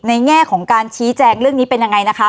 แง่ของการชี้แจงเรื่องนี้เป็นยังไงนะคะ